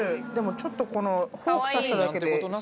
ちょっとフォーク刺しただけで。